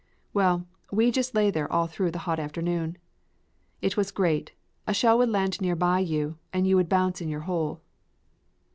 Well, we just lay there all through the hot afternoon. It was great a shell would land near by and you would bounce in your hole.